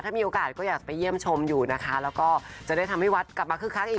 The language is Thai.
ถ้ามีโอกาสก็อยากไปเยี่ยมชมอยู่นะคะแล้วก็จะได้ทำให้วัดกลับมาคึกคักอีก